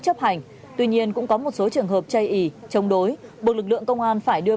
chấp hành tuy nhiên cũng có một số trường hợp chây ý chống đối buộc lực lượng công an phải đưa